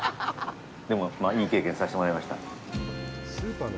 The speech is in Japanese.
でも、いい経験をさせてもらいました。